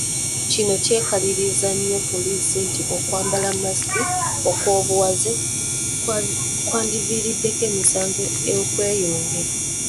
Kino kyeraliikirizza nnyo poliisi nti okwambala masiki okw'obuwaze kwandiviirako emisango okweyongera.